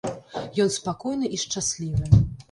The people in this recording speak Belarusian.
Ён спакойны і шчаслівы.